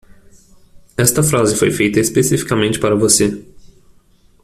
Esta frase foi feita especificamente para você.